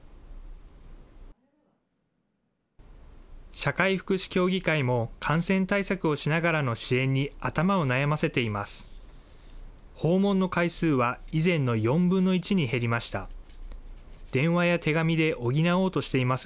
社会福祉協議会も感染対策をしながらの支援に頭を悩ませています。